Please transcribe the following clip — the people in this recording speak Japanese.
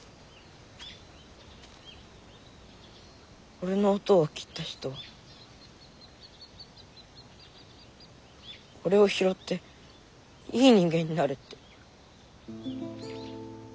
俺のおとうを斬った人は俺を拾っていい人間になれって。